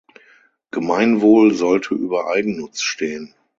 Gemeinwohl sollte über Eigennutz stehen.